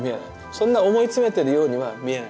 そんな思い詰めてるようには見えない